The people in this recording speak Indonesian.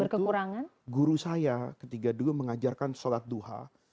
itu guru saya ketika dulu mengajarkan sholat duha